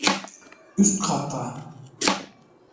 Üst katta.